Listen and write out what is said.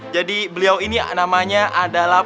jadi beliau ini namanya adalah